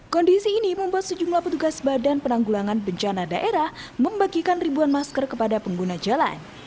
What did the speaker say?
kondisi ini membuat sejumlah petugas badan penanggulangan bencana daerah membagikan ribuan masker kepada pengguna jalan